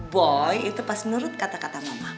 boy itu pasti nurut kata kata mama